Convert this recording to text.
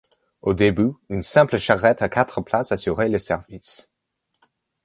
Au début, une simple charrette à quatre places assurait le service.